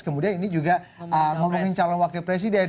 kemudian ini juga ngomongin calon wakil presiden